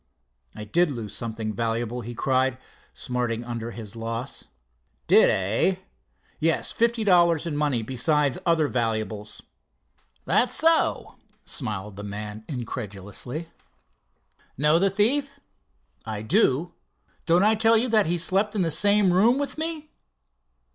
"I did lose something valuable," he cried, smarting under his lost. "Did, eh?" "Yes, sir—fifty dollars in money, beside other valuables." "That so?" smiled the man incredulously. "Know the thief?" "I do. Don't I tell you that he slept in the same room with me?"